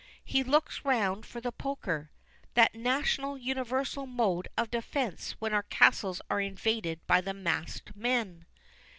He looks round for the poker that national, universal mode of defence when our castles are invaded by the "masked man."